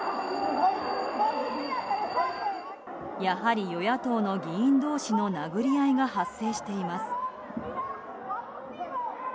やはり与野党の議員同士の殴り合いが発生しています。